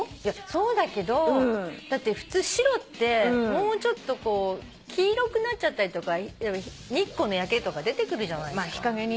そうだけどだって普通白ってもうちょっとこう黄色くなっちゃったりとか日光の焼けとか出てくるじゃないですか。